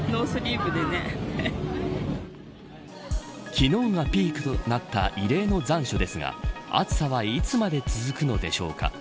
昨日がピークとなった異例の残暑ですが暑さはいつまで続くのでしょうか。